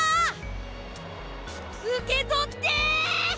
うけとって！